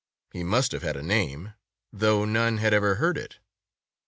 He must have had a name, though none had ever heard it.